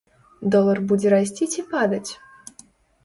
Долар будзе расці ці падаць?